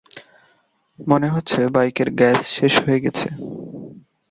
মনে হচ্ছে বাইকের গ্যাস শেষ হয়ে গেছে।